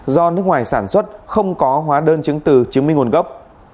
do nước ngoài sản xuất không có hóa đơn chứng từ chứng minh nguồn gốc